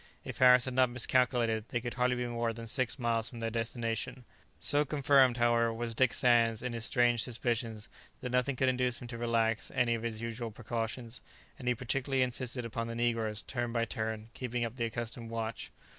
If Harris had not miscalculated, they could hardly be more than about six miles from their destination; so confirmed, however, was Dick Sands in his strange suspicions, that nothing could induce him to relax any of the usual precautions, and he particularly insisted upon the negroes, turn by turn, keeping up the accustomed watch.